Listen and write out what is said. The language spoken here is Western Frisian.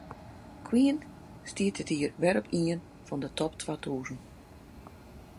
Queen stiet dit jier wer op ien fan de top twa tûzen.